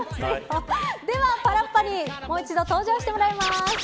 では、パラッパにもう一度登場してもらいます。